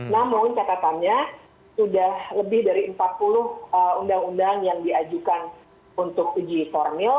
namun catatannya sudah lebih dari empat puluh undang undang yang diajukan untuk uji formil